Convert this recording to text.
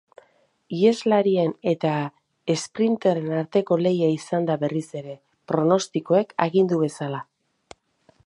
Iheslarien eta esprinterren arteko lehia izan da berriz ere, pronostikoek agindu bezala.